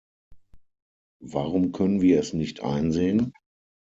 Warum können wir es nicht einsehen?